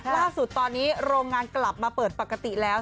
ล่าสุดตอนนี้โรงงานกลับมาเปิดปกติแล้ว